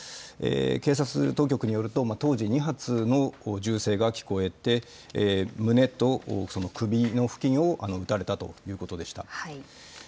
警察当局によると、当時２発の銃声が聞こえて、胸と首の付近を撃たれたということでした。